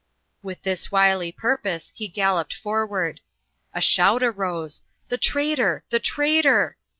With this wily purpose, he galloped forward. A shout arose, "The traitor! The traitor!"